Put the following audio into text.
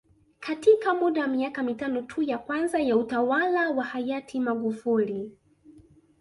Katika muda wa miaka mitano tu ya kwanza ya utawala wa hayati Magufuli